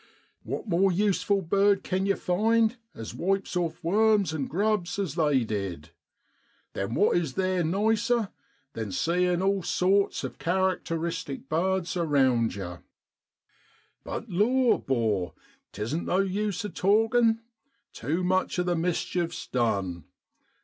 What more useful bird can yer find, as wipes off worms an' grubs as they did ? Then what is theer nicer than seein' all sorts of characteristic birds around yer ? 100 SEPTEMBER IN BROAD LAND. ' But law, 'bor, 'tisn't no use a talkin'; tew much of the mischief's done.